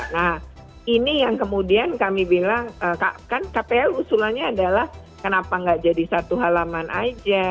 nah ini yang kemudian kami bilang kan kpu usulannya adalah kenapa nggak jadi satu halaman aja